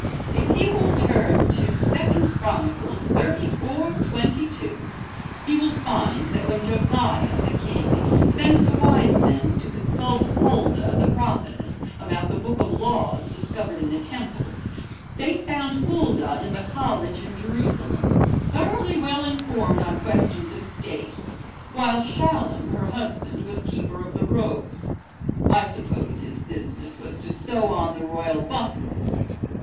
If he will turn to 2 'Chron. xxxiv. 22, he will find that when Josiah, the king, sent the wise men to consult Huldah, the prophetess, about the book of laws discovered in the temple, they found Huldah in the college in Jerusalem, thoroughly well informed on questions of state, while Shallum, her husband, was keeper of the robes. I suppose his business was to sew on the royal buttons.'